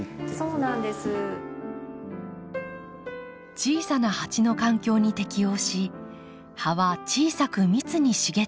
小さな鉢の環境に適応し葉は小さく密に茂っていきます。